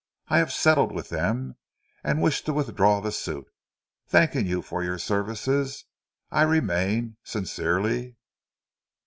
I have settled with them, and wish to withdraw the suit. Thanking you for your services, I remain, sincerely."